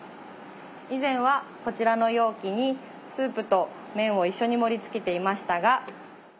以前はこちらの容器にスープと麺を一緒に盛りつけていましたが。